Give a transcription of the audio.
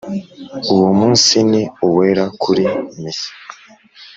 Uwo munsi ni uwera kuri misa